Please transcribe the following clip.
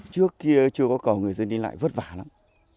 trước kia chưa có cầu người dân đi lại vất vả lắm